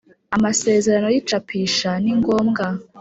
Amasezerano y’ icapisha ni ngombwa